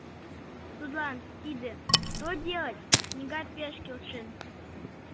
Тудлан тиде «Что делать?» книга пеш келшен.